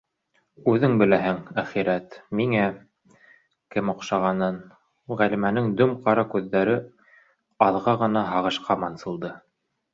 Үҙең беләһең, әхирәт, миңә... кем оҡшағанын,- Ғәлимәнең дөм-ҡара күҙҙәре аҙға ғына һағышҡа мансылды.